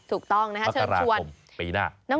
ถูกต้องนะคะเชิญชวนประการาคมปีหน้า